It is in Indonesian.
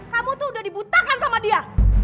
kamu tuh udah dibutakan sama dia